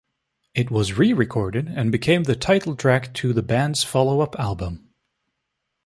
It was re-recorded and became the title track to the band's follow-up album.